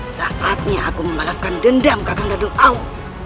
saatnya aku membalaskan dendam kagang dadung au